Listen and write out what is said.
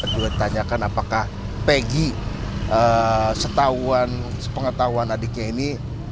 juga ditanyakan apakah pegi setahuan pengetahuan adiknya ini